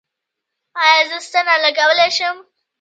ایا زه ستنه لګولی شم؟